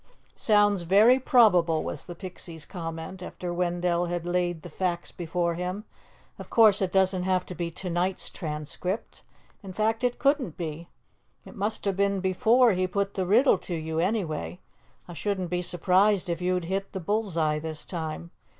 "Sounds very probable," was the Pixie's comment, after Wendell had laid the facts before him. "Of course it doesn't have to be to night's Transcript. In fact it couldn't be. It must have been before he put the riddle to you, anyway. I shouldn't be surprised if you'd hit the bull's eye this time.